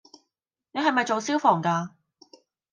你係咪做消防架